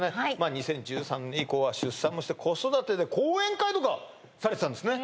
２０１３年以降は出産もして子育てで講演会とかされてたんですね